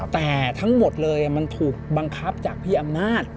แต่ทั้งหมดเลยมันถูกบังคับจากพี่อำนาจ